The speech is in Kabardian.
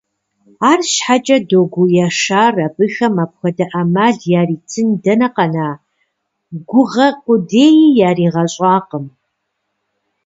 АрщхьэкӀэ Догу Яшар абыхэм апхуэдэ Ӏэмал яритын дэнэ къэна, гугъэ къудеи яригъэщӀакъым.